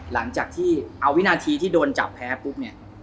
หลังจากที่เอาวินาทีที่โดนจับแพ้ปุ๊บเนี่ย